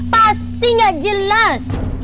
pasti nggak jelas